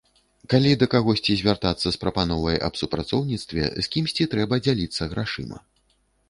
Калі да кагосьці звяртацца з прапановай аб супрацоўніцтве, з кімсьці трэба дзяліцца грашыма.